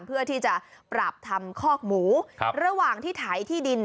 เพื่อที่จะปรับทำคอกหมูระหว่างที่ไถที่ดิน